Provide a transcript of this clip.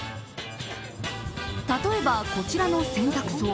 例えば、こちらの洗濯槽。